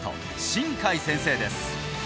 新開先生です